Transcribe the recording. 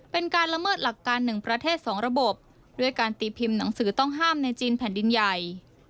เป็นการละเมิดหลักการ๑ประเทศ๒ระบบด้วยการตีพิมพ์หนังสือต้องห้ามในจีนแผ่นดินใหญ่